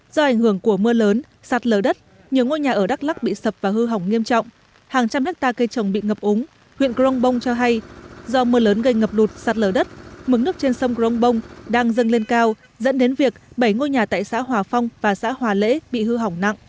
do ảnh hưởng của mưa lớn sạt lở đất nhiều ngôi nhà ở đắk lắc bị sập và hư hỏng nghiêm trọng hàng trăm hectare cây trồng bị ngập úng huyện grong bông cho hay do mưa lớn gây ngập lụt sạt lở đất mứng nước trên sông grongbong đang dâng lên cao dẫn đến việc bảy ngôi nhà tại xã hòa phong và xã hòa lễ bị hư hỏng nặng